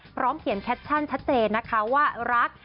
พร้อมเขียนแคปชั่นชัดเจนนะคะว่ารัก